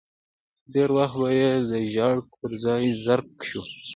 ډېری وخت به یې د ژړک پر ځای زرک شو.